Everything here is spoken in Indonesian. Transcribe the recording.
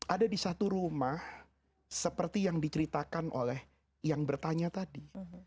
ada di satu rumah seperti yang diceritakan oleh yang bertanya tadi